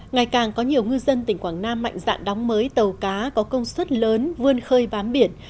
ngày càng có nhiều ngư dân tỉnh quảng nam mạnh dạng đóng mới tàu cá có công suất lớn vươn khơi bám biển